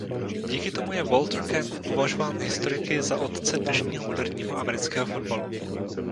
Díky tomu je Walter Camp považován historiky za otce dnešního moderního amerického fotbalu.